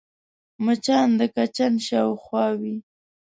مچان د کچن شاوخوا وي